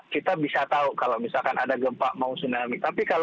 kita bisa tahu kalau misalkan ada gempa mau tsunami